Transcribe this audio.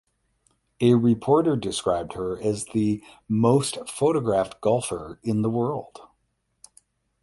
A reporter described her as the "most photographed golfer in the world".